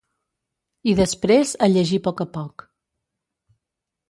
...i després a llegir poc a poc